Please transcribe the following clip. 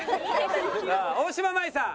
さあ大島麻衣さん。